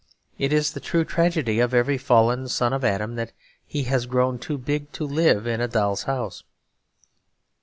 It is the true tragedy of every fallen son of Adam that he has grown too big to live in a doll's house.